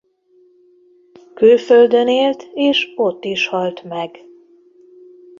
Külföldön élt és ott is halt meg.